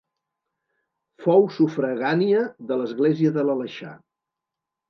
Fou sufragània de l'església de l'Aleixar.